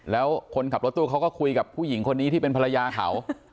แล้วคนขับรถตู้เขาก็คุยกับผู้หญิงคนนี้ที่เป็นภรรยาเขา